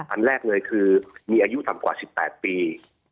อันแรกเลยคือมีอายุต่ำกว่า๑๘ปี